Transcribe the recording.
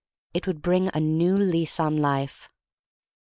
It would be a new lease on life.